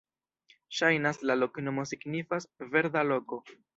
Ŝajnas, la loknomo signifas: "verda loko".